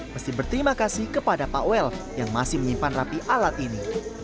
mesti berterima kasih kepada pak wel yang masih menyimpan rapi alat ini